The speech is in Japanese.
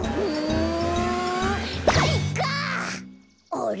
あれ？